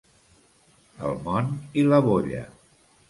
El món i la bolla.